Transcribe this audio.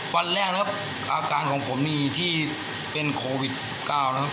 วันแรกนะครับอาการของผมนี่ที่เป็นโควิด๑๙นะครับ